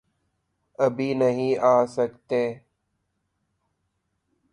ابھی نہیں آسکتے۔۔۔